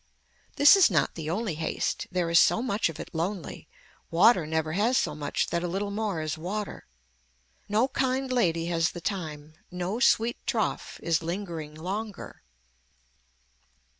This is not the only haste, there is so much of it lonely, water never has so much that a little more is water. No kind lady has the time, no sweet trough is lingering longer.